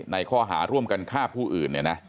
ในข้อหาร่วมกันฆ่าผู้อื่น